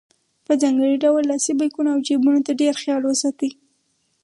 په ځانګړي ډول لاسي بیکونو او جیبونو ته ډېر خیال وساتئ.